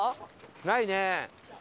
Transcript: ないね。